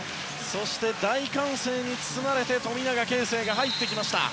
そして大歓声に包まれて富永啓生が入ってきました。